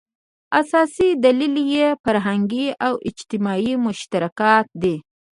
اساسي دلیل یې فرهنګي او اجتماعي مشترکات دي.